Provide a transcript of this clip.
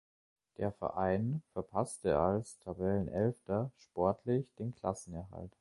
Der Verein verpasste als Tabellenelfter sportlich den Klassenerhalt.